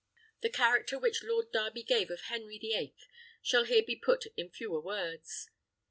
The character which Lord Darby gave of Henry the Eighth shall here be put in fewer words.